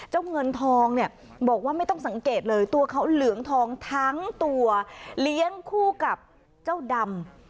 เงินทองเนี่ยบอกว่าไม่ต้องสังเกตเลยตัวเขาเหลืองทองทั้งตัวเลี้ยงคู่กับเจ้าดำ